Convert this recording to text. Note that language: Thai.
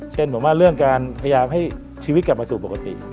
เหมือนว่าเรื่องการพยายามให้ชีวิตกลับมาสู่ปกติ